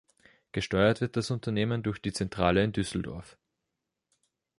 Gesteuert wird das Unternehmen durch die Zentrale in Düsseldorf.